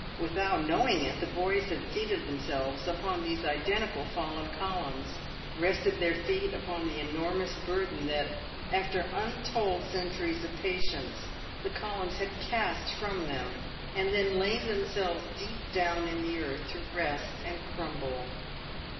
"Without know ing it, the boys had seated themselves upon these identical fallen columns, rested their feet upon the enormous burden that, after untold centuries of patience, the columns had cast from them, and then lain themselves deep down in the earth to rest and crumble.